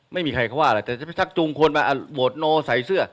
ไม่มีใครเขาว่าอะไรแต่จะไปชักจูงคนมาโหวตโนใส่เสื้อ